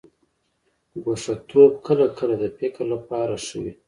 ګوښه توب کله کله د فکر لپاره ښه وي.